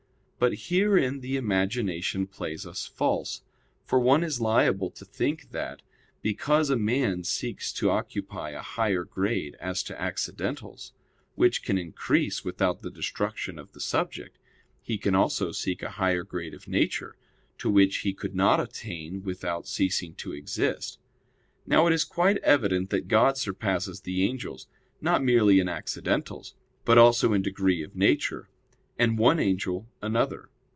But herein the imagination plays us false; for one is liable to think that, because a man seeks to occupy a higher grade as to accidentals, which can increase without the destruction of the subject, he can also seek a higher grade of nature, to which he could not attain without ceasing to exist. Now it is quite evident that God surpasses the angels, not merely in accidentals, but also in degree of nature; and one angel, another.